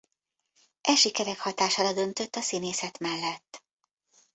E sikerek hatására döntött a színészet mellett.